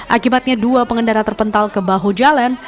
akibatnya dua pengendara terpental ke bahu jalan